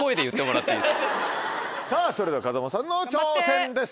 それでは風間さんの挑戦です。